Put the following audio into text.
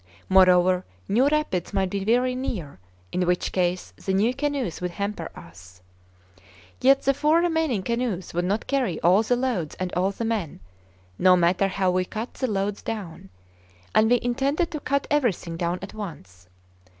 Moreover, new rapids might be very near, in which case the new canoes would hamper us. Yet the four remaining canoes would not carry all the loads and all the men, no matter how we cut the loads down; and we intended to cut everything down at once.